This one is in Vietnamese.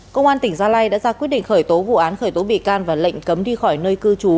công an tỉnh gia lai đã ra quyết định khởi tố vụ án khởi tố bị can và lệnh cấm đi khỏi nơi cư trú